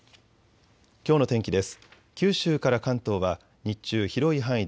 きょうの天気です。